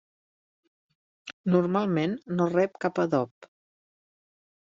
Normalment no rep cap adob.